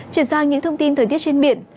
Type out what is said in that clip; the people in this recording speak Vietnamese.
chuyển sang những thông tin thời tiết trên biển